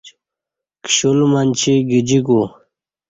کشل منچی گجیکو